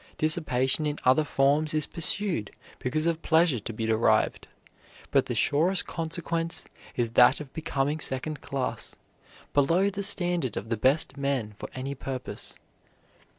Dissipation in other forms is pursued because of pleasure to be derived, but the surest consequence is that of becoming second class, below the standard of the best men for any purpose.